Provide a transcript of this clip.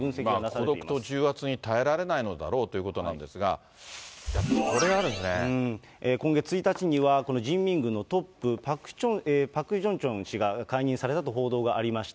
孤独と重圧に耐えられないだろうということなんですが、これ今月１日には、この人民軍のトップ、パク・ジョンチョン氏が解任されたと報道がありました。